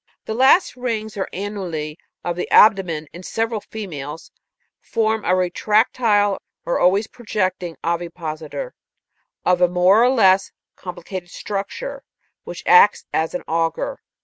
The last rings or an'nuli of the abdomen, in several females, form a retractile or always projecting ovipositor, of a more or less com plicated structure, which acts as an auger.